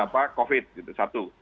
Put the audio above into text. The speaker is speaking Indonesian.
pak covid gitu satu